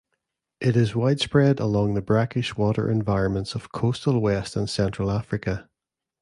It is widespread along the brackish water environments of coastal West and Central Africa.